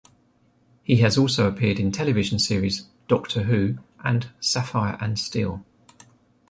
He has also appeared in television series "Doctor Who" and "Sapphire and Steel".